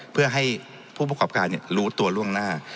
เพื่อให้ผู้ประกอบการรู้ตัวล่วงหน้า